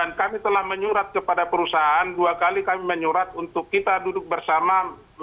dan kami telah menyurat kepada perusahaan dua kali kami menyurat untuk kita duduk bersama